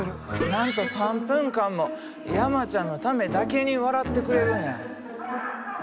なんと３分間も山ちゃんのためだけに笑ってくれるんや。